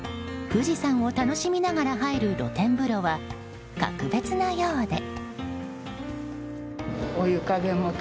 富士山を楽しみながら入る露天風呂は格別なようで。